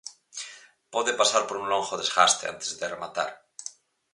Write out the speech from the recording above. Pode pasar por un longo desgaste antes de rematar.